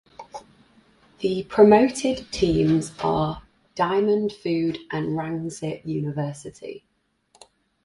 The promoted teams are Diamond Food and Rangsit University.